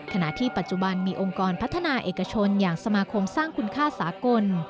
ขณะที่ปัจจุบันมีองค์กรพัฒนาเอกชนอย่างสมาคมสร้างคุณค่าสากล